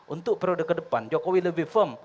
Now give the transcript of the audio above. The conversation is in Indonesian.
untuk periode kedepan jokowi lebih firm